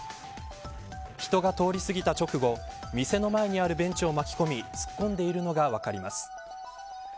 人が通り過ぎた直後店の前にあるベンチを巻き込み突っ込んでいるのが分かります。